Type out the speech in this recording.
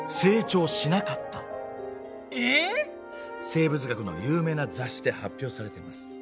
生物学の有名な雑誌で発表されてます。